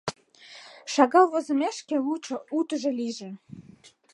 Шагал возымешке, лучо утыжо лийже...